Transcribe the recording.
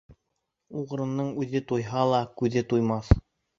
Уғрының үҙе туйһа ла, күҙе туймаҫ.